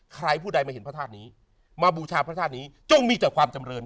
ใครผู้ใดมาเห็นพระธาตุนี้มาบูชาพระธาตุนี้จงมีแต่ความจำเริน